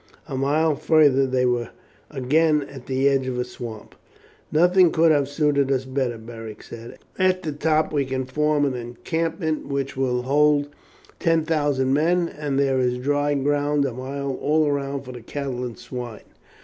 A mile farther they were again at the edge of a swamp. "Nothing could have suited us better," Beric said. "At the top we can form an encampment which will hold ten thousand men, and there is dry ground a mile all round for the cattle and swine."